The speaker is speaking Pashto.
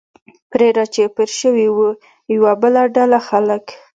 پرې را چاپېر شوي و، یوه بله ډله خلک.